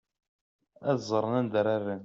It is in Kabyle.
Ad ẓren anda ara rren.